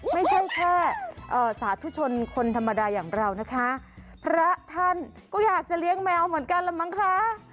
ไม่ใช่แค่สาธุชนคนธรรมดาอย่างเรานะคะพระท่านก็อยากจะเลี้ยงแมวเหมือนกันละมั้งคะ